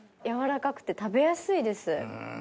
軟らかくて食べやすいです。